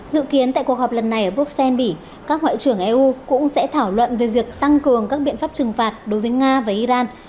dự kiến tại cuộc họp lần này ở bruxelles bỉ các ngoại trưởng eu cũng sẽ thảo luận về việc tăng cường các biện pháp trừng phạt đối với nga và iran